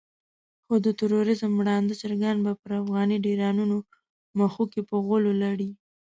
خو د تروريزم ړانده چرګان به پر افغاني ډيرانونو مښوکې په غولو لړي.